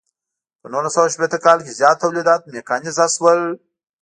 په نولس سوه شپیته کال کې زیات تولیدات میکانیزه شول.